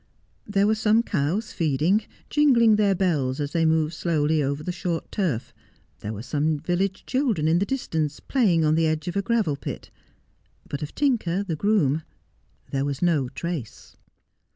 There were some cows feeding, jingling their bells as they moved slowly over the short turf ; there were some village children in the distance playing on the edge of a gravel pit ; but of Tinker, the groom, there was no trace.